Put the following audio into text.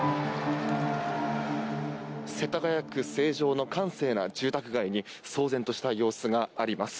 世田谷区成城の閑静な住宅街に騒然とした様子があります。